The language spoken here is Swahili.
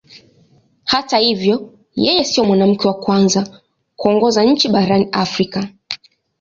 Hata hivyo yeye sio mwanamke wa kwanza kuongoza nchi barani Afrika.